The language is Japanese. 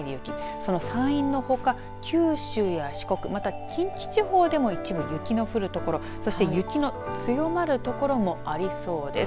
その山陰のほか九州や四国また近畿地方でも一部雪の降る所そして雪の強まる所もありそうです。